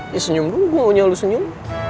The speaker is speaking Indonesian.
ya senyum dulu gue maunya lo senyum